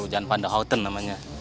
jan van de houten namanya